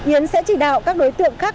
yến sẽ chỉ đạo các đối tượng khác